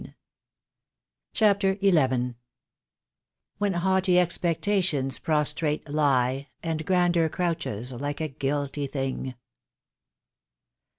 I 79 CHAPTER XL "When haughty expectations prostrate he And grandeur crouches like a guilty thing."